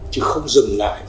chứ không dừng lại